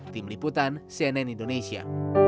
tim liputan cnn indonesia